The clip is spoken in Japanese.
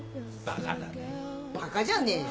バカじゃねえよ。